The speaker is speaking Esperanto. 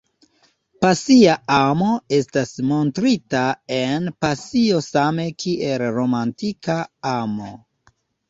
Pasia amo estas montrita en pasio same kiel romantika amo.